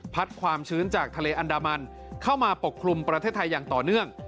ความชื้นจากทะเลอันดามันเข้ามาปกคลุมประเทศไทยอย่างต่อเนื่อง